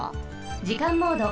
じかんモード。